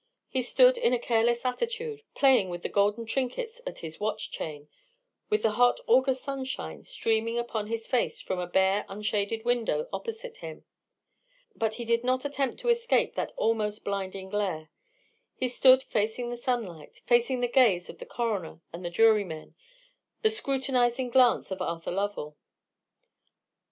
He stood in a careless attitude, playing with the golden trinkets at his watch chain, with the hot August sunshine streaming upon his face from a bare unshaded window opposite him. But he did not attempt to escape that almost blinding glare. He stood facing the sunlight; facing the gaze of the coroner and the jurymen; the scrutinizing glance of Arthur Lovell.